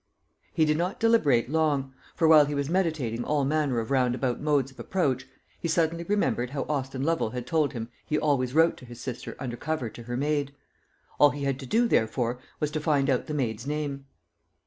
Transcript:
He did not deliberate long; for while he was meditating all manner of roundabout modes of approach, he suddenly remembered how Austin Lovel had told him he always wrote to his sister under cover to her maid. All he had to do, therefore, was to find out the maid's name.